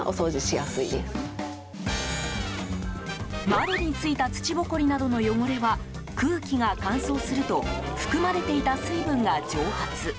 窓についた土ぼこりなどの汚れは空気が乾燥すると含まれていた水分が蒸発。